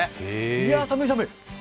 いや、寒い寒い。